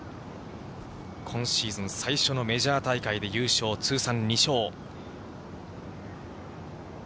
今シーズン、最初のメジャー大会で優勝、通算２勝。